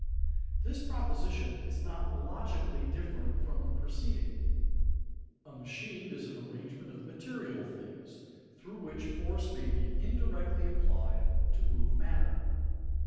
_ This proposition is not logically different from the preceding. A machine is an arrangement of material things through which force may be indirectly applied to move matter.